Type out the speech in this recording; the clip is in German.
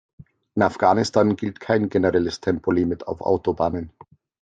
In Afghanistan gilt kein generelles Tempolimit auf Autobahnen.